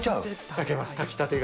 炊けます、炊きたてが。